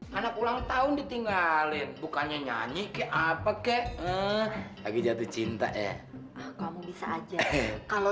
hai anak ulang tahun ditinggalin bukannya nyanyi ke apa kek lagi jatuh cinta eh kamu bisa aja kalau